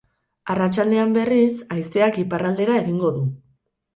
Arratsaldean, berriz, haizeak iparraldera egingo du.